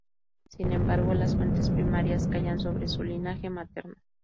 Sin embargo, las fuentes primarias callan sobre su linaje materno.